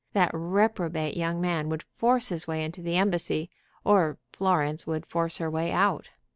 That reprobate young man would force his way into the embassy, or Florence would force her way out.